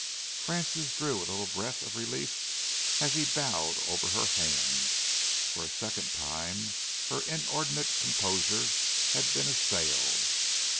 Francis drew a little breath of relief as he bowed over her hand. For the second time her inordinate composure had been assailed.